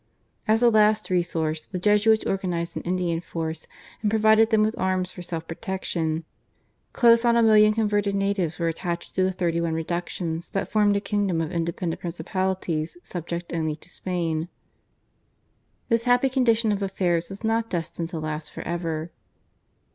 As a last resource the Jesuits organised an Indian force, and provided them with arms for self protection. Close on a million converted natives were attached to the thirty one Reductions that formed a kingdom of independent principality subject only to Spain. This happy condition of affairs was not destined to last forever.